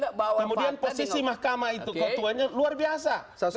kemudian posisi mahkamah itu ketuanya luar biasa